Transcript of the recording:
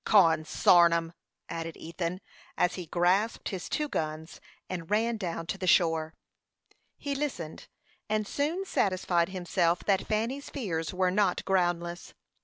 "Consarn 'em!" added Ethan, as he grasped his two guns, and ran down to the shore. He listened, and soon satisfied himself that Fanny's fears were not groundless.